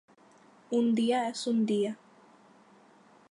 Un día es un día